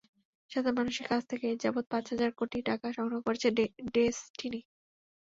সাধারণ মানুষের কাছ থেকে এযাবৎ পাঁচ হাজার কোটি টাকা সংগ্রহ করেছে ডেসটিনি।